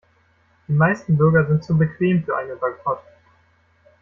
Die meisten Bürger sind zu bequem für einen Boykott.